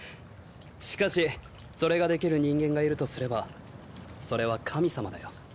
しかしそれができる人間がいるとすればそれは神様だよ。